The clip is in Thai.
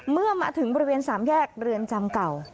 เมื่อมาถึงบริเวณสามแยกเรือนจำเก่า